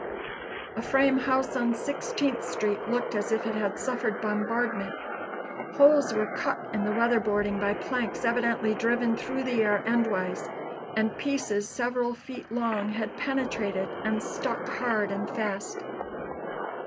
A frame house on Sixteenth street looked as if it had suffered bombardment. Holes were cut in the weather boarding by planks evidently driven through the air endwise, and pieces several feet long had penetrated and stuck hard and fast.